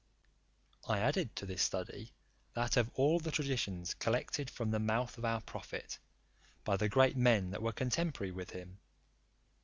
I added to this study, that of all the traditions collected from the mouth of our prophet, by the great men that were contemporary with him.